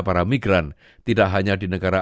para migran tidak hanya di negara